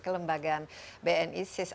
kelembagaan bni sis